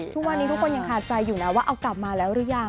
ทุกวันนี้ทุกคนยังคาใจอยู่นะว่าเอากลับมาแล้วหรือยัง